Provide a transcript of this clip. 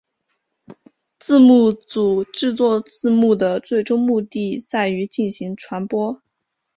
字幕组制作字幕的最终目的在于进行传播。